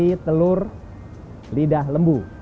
yaitu roti telur lidah lembu